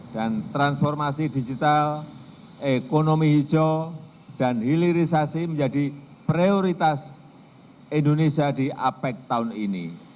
dan transformasi digital ekonomi hijau dan hilirisasi menjadi prioritas indonesia di apec tahun ini